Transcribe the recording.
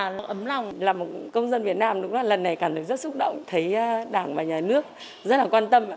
mình rất ấm lòng là một công dân việt nam lần này cảm thấy rất xúc động thấy đảng và nhà nước rất là quan tâm